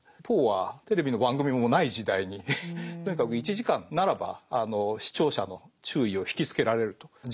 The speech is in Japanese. ポーはテレビの番組もない時代にとにかく１時間ならば視聴者の注意を引きつけられると。